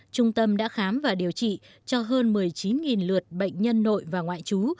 trung tâm đã khám và điều trị cho hơn một mươi chín lượt bệnh nhân nội và ngoại trú